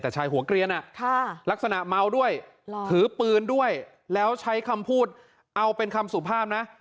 แต่ชายหัวเกลียนลักษณะเมาด้วยถือปืนด้วยแล้วใช้คำพูดเอาเป็นคำสุภาพนะ